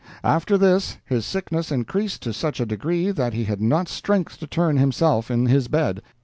"After this, his sickness increased to such a degree that he had not strength to turn himself in his bed.